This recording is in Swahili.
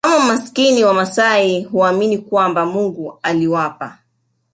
kama maskini Wamasai huamini kwamba Mungu aliwapa